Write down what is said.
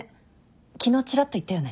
昨日ちらっと言ったよね？